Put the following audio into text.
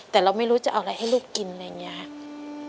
แต่เราไม่รู้จะเอาอะไรให้ลูกกินอะไรอย่างนี้ครับ